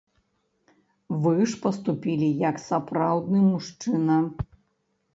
Вы ж паступілі як сапраўдны мужчына!